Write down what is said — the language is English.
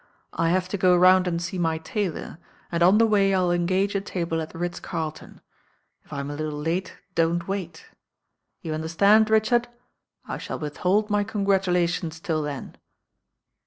"I have to go round and see my tailor, and on the way I'll engage a table at the Ritz Carl ton. If I'm a little late, don't wait. You under itand, Richard? I shall withhold my congratula tions till then."